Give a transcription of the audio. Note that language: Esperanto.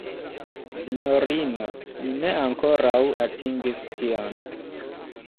Sinjorino, ni ne ankoraŭ atingis tion!